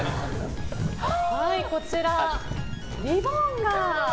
こちら、リボンが。